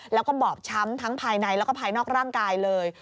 แล้วก็บอบช้ำทั้งภายในแล้วก็ภายนอกร่างกายเลย